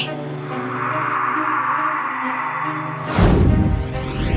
tunggu aku mau pergi dulu